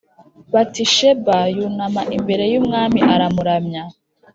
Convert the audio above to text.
Batisheba yunama imbere y’umwami aramuramya